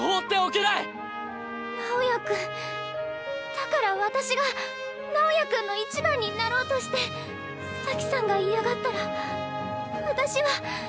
だから私が直也君の１番になろうとして咲さんが嫌がったら私は。